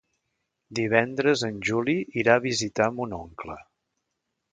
Divendres en Juli irà a visitar mon oncle.